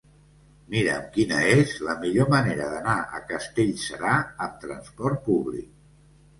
Mira'm quina és la millor manera d'anar a Castellserà amb trasport públic.